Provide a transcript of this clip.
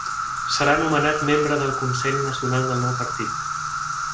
Serà nomenat membre del Consell Nacional del nou partit.